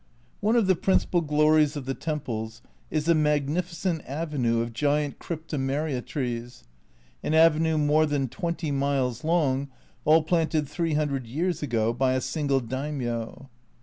One of the principal glories of the temples is the magnificent avenue of giant cryptomeria trees, an avenue more than 20 miles long, all planted 300 years ago by a single Daimio.